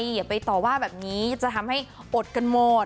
อย่าไปต่อว่าแบบนี้จะทำให้อดกันหมด